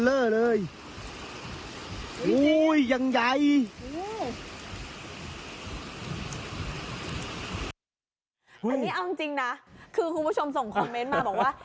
แต่นี่เอาจริงนะคือคุณผู้ชมส่งคอมเมนต์มาบอกว่า